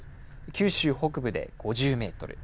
九州北部で５０メートル